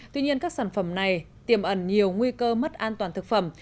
tuy nhiên các sản phẩm này tiềm ẩn nhiều nguy cơ mất an toàn thực phẩm